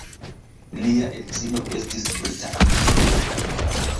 Lia edzino estis brita aktorino.